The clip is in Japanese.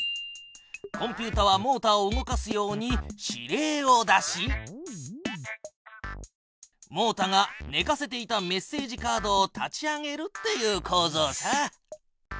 コンピュータはモータを動かすように指令を出しモータがねかせていたメッセージカードを立ち上げるっていうこうぞうさ。